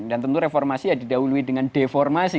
dan tentu reformasi ya didahului dengan deformasi